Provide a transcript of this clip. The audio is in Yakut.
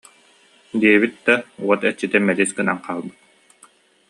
диэбит да, уот иччитэ мэлис гынан хаалбыт